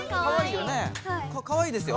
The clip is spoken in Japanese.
かわいいですよ。